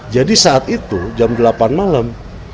jadi saat itu jam delapan malam